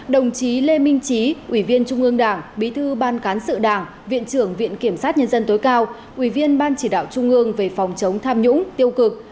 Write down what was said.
đồng chí lê minh trí ủy viên trung ương đảng bí thư ban cán sự đảng viện trưởng viện kiểm sát nhân dân tối cao ủy viên ban chỉ đạo trung ương về phòng chống tham nhũng tiêu cực